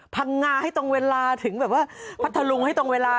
พังงาให้ตรงเวลาถึงแบบว่าพัทธลุงให้ตรงเวลา